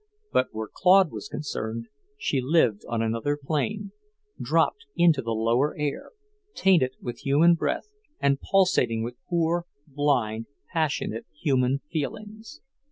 But where Claude was concerned, she lived on another plane, dropped into the lower air, tainted with human breath and pulsating with poor, blind, passionate human feelings.